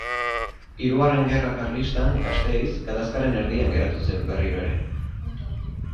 Hirugarren Gerra Karlistan Gasteiz gatazkaren erdian geratu zen berriro ere.